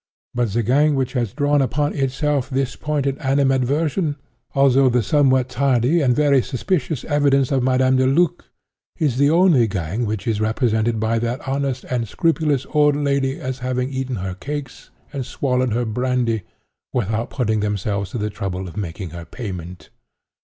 But the gang which has drawn upon itself the pointed animadversion, although the somewhat tardy and very suspicious evidence of Madame Deluc, is the only gang which is represented by that honest and scrupulous old lady as having eaten her cakes and swallowed her brandy, without putting themselves to the trouble of making her payment.